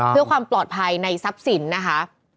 เพื่อความปลอดภัยในทรัพย์สินนะคะ